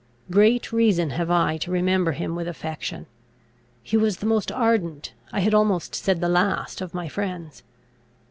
Great reason have I to remember him with affection! He was the most ardent, I had almost said the last, of my friends.